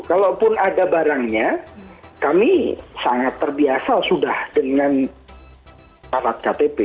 kalaupun ada barangnya kami sangat terbiasa sudah dengan syarat ktp